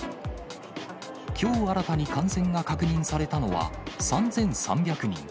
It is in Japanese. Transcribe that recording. きょう新たに感染が確認されたのは３３００人。